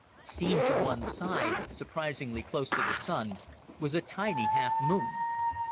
Seen to one side, surprisingly close to the Sun, was a tiny half moon.